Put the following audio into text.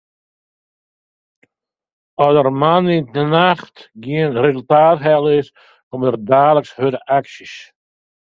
As der moandeitenacht gjin resultaat helle is, komme der daliks hurde aksjes.